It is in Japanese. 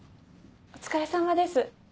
お疲れさまです。